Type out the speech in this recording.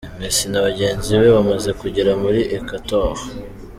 Messi na bagenzi be bamaze kugera muri Ecuateur.